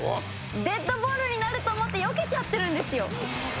デッドボールになると思ってよけちゃってるんですよ。